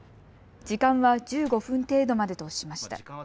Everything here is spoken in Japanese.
時間は１５分程度までとしました。